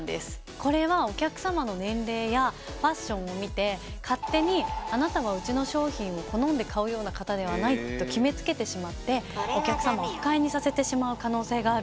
これはお客様の年齢やファッションを見て勝手に「あなたはうちの商品を好んで買うような方ではない」と決めつけてしまってお客様を不快にさせてしまう可能性があるんです。